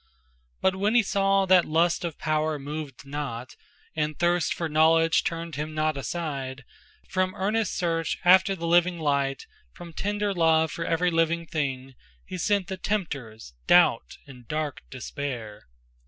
But when he saw that lust of power moved not, And thirst for knowledge turned him not aside From earnest search after the living light, From tender love for every living thing, He sent the tempters Doubt and dark Despair.